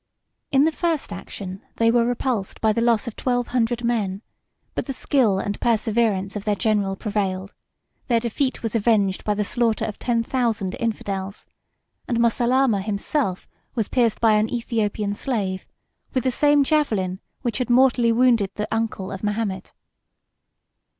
3111 In the first action they were repulsed by the loss of twelve hundred men; but the skill and perseverance of their general prevailed; their defeat was avenged by the slaughter of ten thousand infidels; and Moseilama himself was pierced by an Aethiopian slave with the same javelin which had mortally wounded the uncle of Mahomet.